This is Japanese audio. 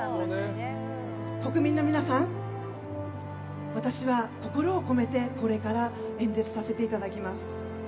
国民の皆さん、私は心を込めてこれから演説させていただきます。